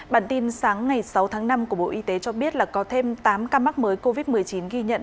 bản tin sáng ngày sáu tháng năm của bộ y tế cho biết là có thêm tám ca mắc mới covid một mươi chín ghi nhận